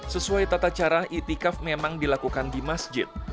sesuai tata cara itikaf memang dilakukan di masjid